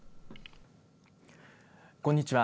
こんにちは。